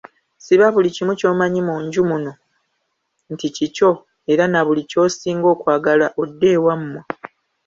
Siba buli kimu ky'omanyi mu nju muno nti kikyo era na buli ky'osinga okwagala odde ewammwe.